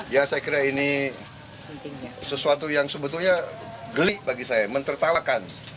ya saya kira ini sesuatu yang sebetulnya gelik bagi saya mentertawakan